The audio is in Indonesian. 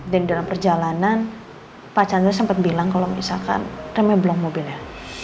dan dalam perjalanan pak chandra sempet bilang kalo misalkan remnya blong mobilnya